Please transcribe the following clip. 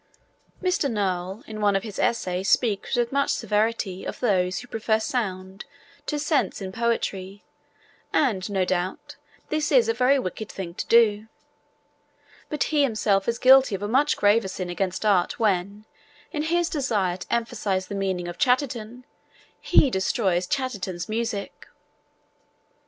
Mr. Noel in one of his essays speaks with much severity of those who prefer sound to sense in poetry and, no doubt, this is a very wicked thing to do; but he himself is guilty of a much graver sin against art when, in his desire to emphasise the meaning of Chatterton, he destroys Chatterton's music.